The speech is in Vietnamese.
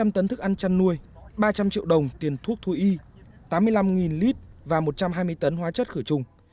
một trăm linh tấn thức ăn chăn nuôi ba trăm linh triệu đồng tiền thuốc thú y tám mươi năm lít và một trăm hai mươi tấn hóa chất khử trùng